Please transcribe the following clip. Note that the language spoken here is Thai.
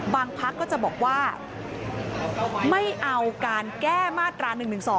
พักก็จะบอกว่าไม่เอาการแก้มาตรา๑๑๒